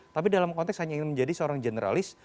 tapi dalam konteks hanya ingin menjadi seorang generalis